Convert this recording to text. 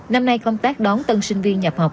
năm nay công tác đón tân sinh viên nhập học